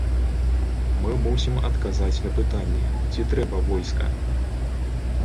Мы мусім адказаць на пытанне, ці трэба войска?